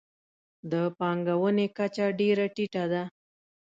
د پانګونې کچه ډېره ټیټه ده.